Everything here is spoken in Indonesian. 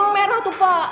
merah tuh pak